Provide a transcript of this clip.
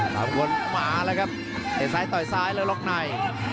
การวนมหานะครับเกร็ดซ้ายต่อยซ้ายแล้วกระลอกใน